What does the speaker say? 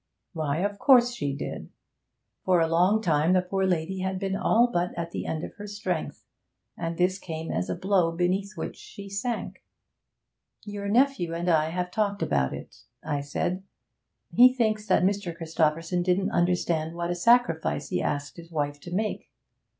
Why, of course she did. For a long time the poor lady had been all but at the end of her strength, and this came as a blow beneath which she sank. 'Your nephew and I have talked about it,' I said. 'He thinks that Mr. Christopherson didn't understand what a sacrifice he asked his wife to make.'